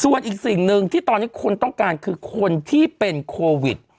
ส่วนอีกสิ่งหนึ่งที่ตอนนี้คนต้องการคือคนที่เป็นโควิด